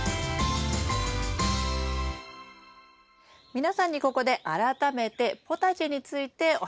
皆さんにここで改めてポタジェについてお話しします。